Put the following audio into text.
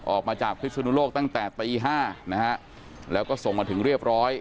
ออกมาจากพิศนุโลกตั้งแต่ตี๕นะฮะแล้วก็ส่งมาถึงเรียบร้อย